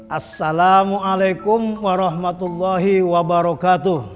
assalamualaikum warahmatullahi wabarakatuh